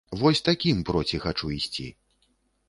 Вось такім проці хачу ісці!